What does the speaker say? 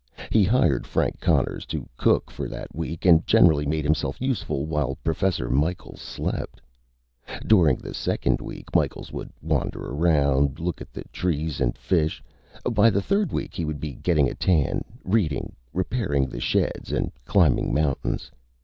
He hired Frank Conners to cook for that week and generally make himself useful, while Professor Micheals slept. During the second week, Micheals would wander around, look at the trees and fish. By the third week he would be getting a tan, reading, repairing the sheds and climbing mountains.